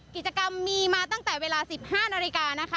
กิจกรรมมีมาตั้งแต่เวลา๑๕นาฬิกานะคะ